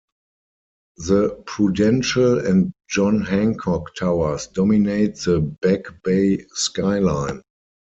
The Prudential and John Hancock towers dominate the Back Bay skyline.